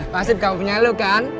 pasti kamu punya lu kan